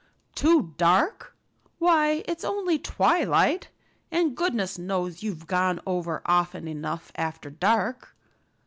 "Too dark? Why, it's only twilight. And goodness knows you've gone over often enough after dark."